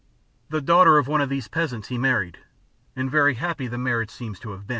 The daughter of one of these peasants he married, and very happy the marriage seems to have been.